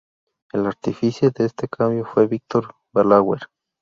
El artífice de este cambio fue Víctor Balaguer.